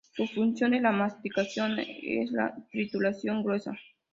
Su función en la masticación es la trituración gruesa.